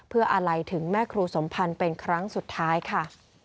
เพื่ออะไรถึงแม่ครูสมพันธ์เป็นครั้งสุดท้ายค่ะ